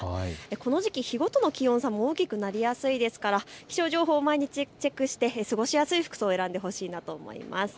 この時期、日ごとの気温差も大きくなりやすいですから気象情報を毎日、チェックして過ごしやすい服装を選んでほしいなと思います。